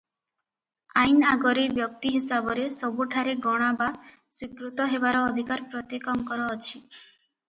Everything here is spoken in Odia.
ଆଇନ ଆଗରେ ବ୍ୟକ୍ତି ହିସାବରେ ସବୁଠାରେ ଗଣା ବା ସ୍ୱୀକୃତ ହେବାର ଅଧିକାର ପ୍ରତ୍ୟେକଙ୍କର ଅଛି ।